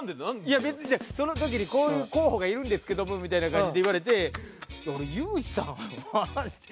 いや別にその時に「こういう候補がいるんですけども」みたいな感じで言われて俺ユージさんは。